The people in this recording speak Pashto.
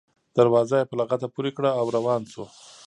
دروازه یې په لغته پورې کړه او روان شو.